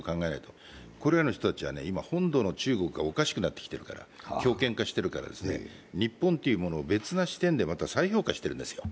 これらの人たちは今、本土の中国がおかしくなってきているから、強権化しているから、日本というものを別な視点でまた再評価しているんですよ。